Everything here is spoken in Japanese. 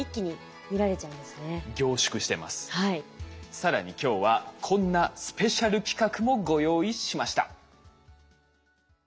更に今日はこんなスペシャル企画もご用意しました。